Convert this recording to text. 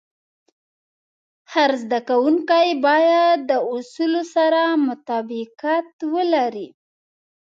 هر زده کوونکی باید د اصولو سره مطابقت ولري.